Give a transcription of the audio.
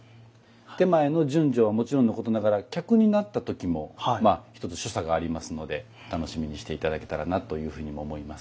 点前の順序はもちろんのことながら客になった時も一つ所作がありますので楽しみにして頂けたらなというふうにも思います。